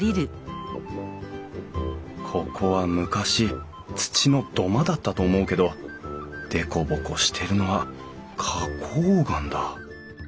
ここは昔土の土間だったと思うけど凸凹してるのは花こう岩だ。